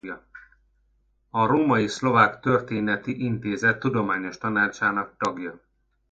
A Római Szlovák Történeti Intézet Tudományos tanácsának tagja.